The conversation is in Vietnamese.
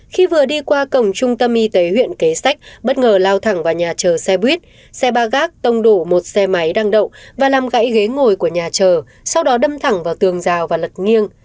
khi vừa đi qua cổng trung tâm y tế huyện kế sách bất ngờ lao thẳng vào nhà chờ xe buýt xe ba gác tông đổ một xe máy đang đậu và làm gãy ghế ngồi của nhà chờ sau đó đâm thẳng vào tường rào và lật nghiêng